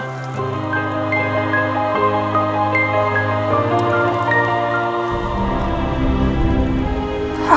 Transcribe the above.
aku merasakan ada sesuatu